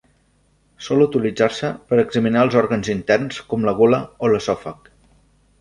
Sol utilitzar-se per a examinar els òrgans interns com la gola o l'esòfag.